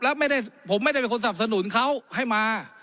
แล้วผมไม่ได้เป็นคนสนับสนุนเขาให้มา